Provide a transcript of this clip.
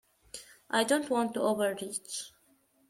I don't want to overreach.